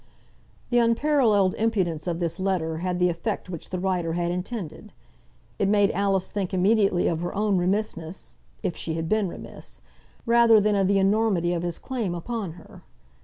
The unparalleled impudence of this letter had the effect which the writer had intended. It made Alice think immediately of her own remissness, if she had been remiss, rather than of the enormity of his claim upon her.